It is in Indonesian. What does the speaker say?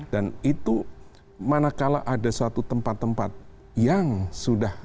dan itu manakala ada suatu tempat tempat yang sudah